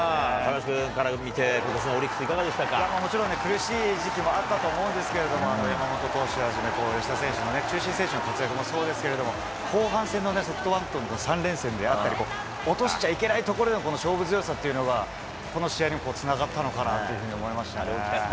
亀梨君から見て、ことしのオもちろん、苦しい時期もあったと思うんですけれども、山本投手はじめ、吉田選手も中心選手の活躍もそうですけども、後半戦のソフトバンクとの３連戦であったり、落しちゃいけないところでの勝負強さっていうのが、この試合につながったのかなっていうふうに思いましたね。